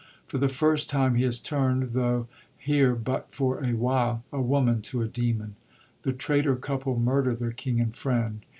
For the first time he has tumd — though here but for a while— a woman to a demon. The traitor couple murder their king and friend.